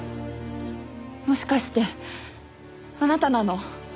もしかしてあなたなの？